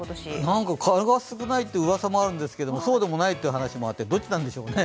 なんか蚊が少ないといううわさもあるんですけど、そうでもないっていう話もあってどっちなんでしょうね。